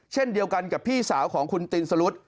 เช่นเดียวกันกับพี่สาวของคุณตินสรุธ